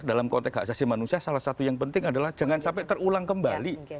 dalam konteks hak asasi manusia salah satu yang penting adalah jangan sampai terulang kembali